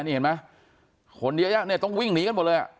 นี่เห็นไหมคนเยอะแยะเนี่ยต้องวิ่งหนีกันหมดเลยอ่ะ